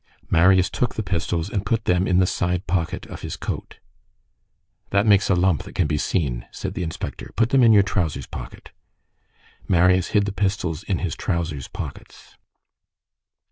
Marius took the pistols and put them in the side pocket of his coat. "That makes a lump that can be seen," said the inspector. "Put them in your trousers pocket." Marius hid the pistols in his trousers pockets.